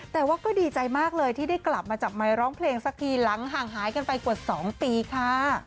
แต่ว่าก็ดีใจมากเลยที่ได้กลับมาจับไมค์ร้องเพลงสักทีหลังห่างหายกันไปกว่า๒ปีค่ะ